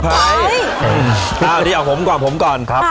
เอ้าเดี๋ยวผมก่อนผมก่อน